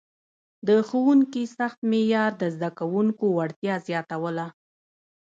د ښوونکي سخت معیار د زده کوونکو وړتیا زیاتوله.